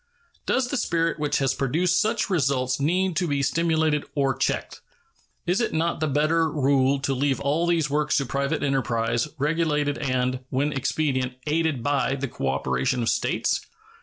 Does the spirit which has produced such results need to be stimulated or checked? Is it not the better rule to leave all these works to private enterprise, regulated and, when expedient, aided by the cooperation of States?